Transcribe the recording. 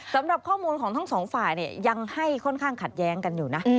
สำหรับข้อมูลของทั้งสองฝ่ายเนี่ยยังให้ค่อนข้างขัดแย้งกันอยู่นะ